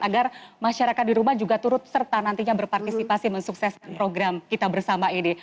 agar masyarakat di rumah juga turut serta nantinya berpartisipasi mensukseskan program kita bersama ini